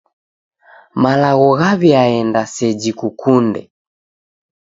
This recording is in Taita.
Malagho ghaw'iaenda seji kukunde?